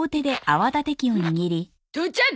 父ちゃん！